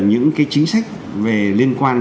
những cái chính sách liên quan